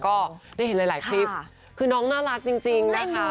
ก็ได้เห็นหลายคลิปคือน้องน่ารักจริงนะคะ